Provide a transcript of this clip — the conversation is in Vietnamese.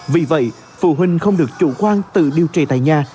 vì vậy phụ huynh không được chủ quan tự điều trị tại nhà